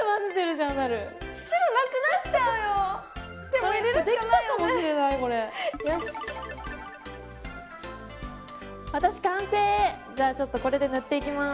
じゃあちょっとこれで塗っていきます。